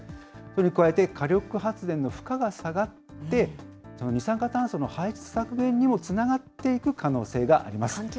それに加えて、火力発電の負荷が下がって、二酸化炭素の排出削減にもつながっていく可能性があります。